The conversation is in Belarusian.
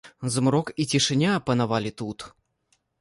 Змрок і цішыня панавалі тут.